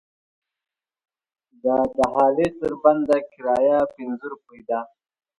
د دهالې تر بنده کرایه پنځه روپۍ ده.